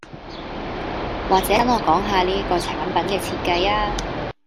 或者等我講吓呢個產品嘅設計吖